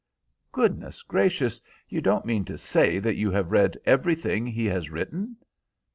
"Goodness gracious! You don't mean to say that you have read everything he has written?"